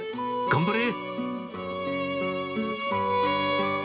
頑張れ！